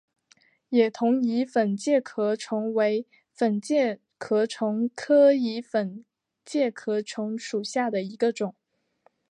野桐蚁粉介壳虫为粉介壳虫科蚁粉介壳虫属下的一个种。